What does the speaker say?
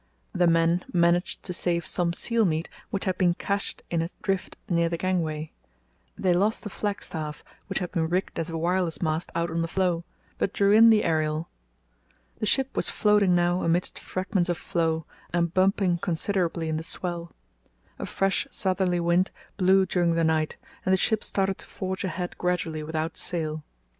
The men managed to save some seal meat which had been cached in a drift near the gangway. They lost the flagstaff, which had been rigged as a wireless mast out on the floe, but drew in the aerial. The ship was floating now amid fragments of floe, and bumping considerably in the swell. A fresh southerly wind blew during the night, and the ship started to forge ahead gradually without sail.